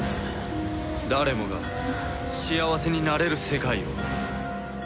誰もが幸せになれる世界を。